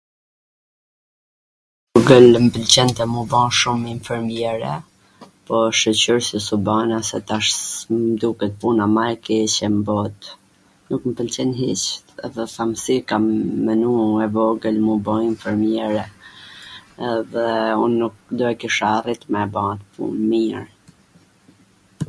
Atere mw pwlqente m u ba shum infermjere, po shyqyr qw s u bana se tash s m duket puna ma e keqe n bot. Nuk mw pwlqen hiC dhe them si kam menu e vogwl me u bw infermjere, edhe un nuk do e kisha arrit me e ba at pun mir....